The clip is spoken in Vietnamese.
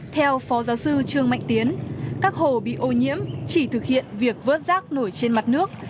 theo phó giáo sư trương mạnh tiến các hồ bị ô nhiễm chỉ thực hiện việc vớt rác nổi trên mặt nước